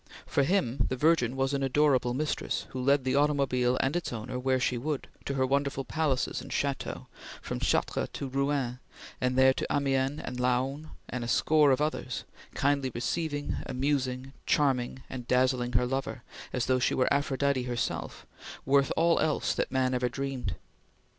For him, the Virgin was an adorable mistress, who led the automobile and its owner where she would, to her wonderful palaces and chateaux, from Chartres to Rouen, and thence to Amiens and Laon, and a score of others, kindly receiving, amusing, charming and dazzling her lover, as though she were Aphrodite herself, worth all else that man ever dreamed.